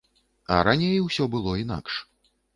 А раней ўсё было інакш.